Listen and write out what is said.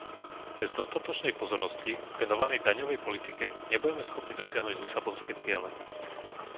Bez dostatočnej pozornosti venovanej daňovej politike nebudeme schopní dosiahnuť lisabonské ciele.